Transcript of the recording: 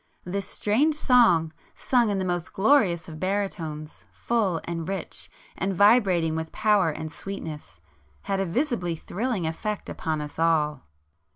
This strange song, sung in the most glorious of baritones, full and rich, and vibrating with power and sweetness, had a visibly thrilling effect upon us all.